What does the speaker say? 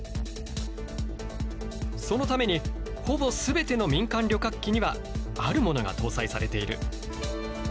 そのためにほぼ全ての民間旅客機にはあるものが搭載されている。